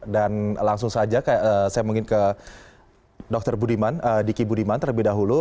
dan langsung saja saya mengingat ke dr budiman diki budiman terlebih dahulu